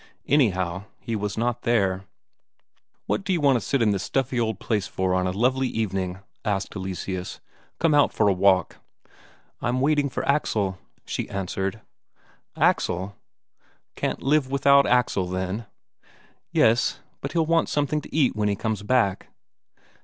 Anyhow, he was not there. "What d'you want to sit here in this stuffy old place for on a lovely evening?" asked Eleseus. "Come out for a walk." "I'm waiting for Axel," she answered. "Axel? Can't you live without Axel, then?" "Yes. But he'll want something to eat when he comes back."